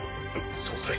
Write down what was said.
総裁。